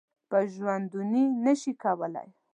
په ژوندوني نه شي کولای .